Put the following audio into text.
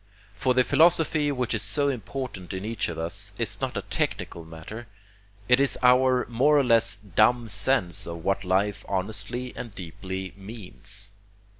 For the philosophy which is so important in each of us is not a technical matter; it is our more or less dumb sense of what life honestly and deeply means.